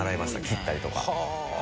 切ったりとか。